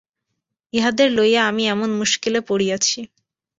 ইহাদের লইয়া আমি এমনি মুশকিলে পড়িয়াছি।